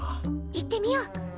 行ってみよう！